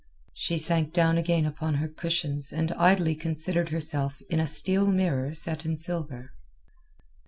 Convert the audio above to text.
She sank down again upon her cushions and idly considered herself in a steel mirror set in silver.